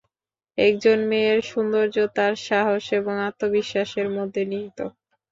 একজন মেয়ের সৌন্দর্য তার সাহস এবং আত্মবিশ্বাসের মধ্যে নিহিত।